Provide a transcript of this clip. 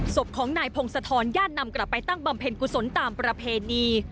ศพของนายพงศธรญาตินำกลับไปตั้งบำเพ็ญกุศลตามประเพณี